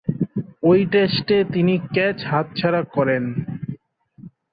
ঐ টেস্টে তিনি ক্যাচ হাতছাড়া করেন।